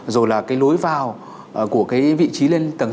rồi là cái lối vào của cái vị trí lên tầng